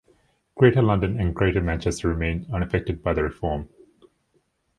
Greater London and Greater Manchester remained unaffected by the reform.